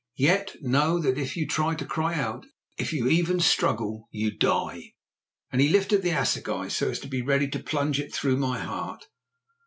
Yet, know that if you try to cry out, if you even struggle, you die," and he lifted the assegai so as to be ready to plunge it through my heart.